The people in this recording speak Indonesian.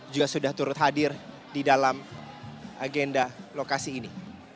juga sudah turut hadir di dalam agenda lokasi ini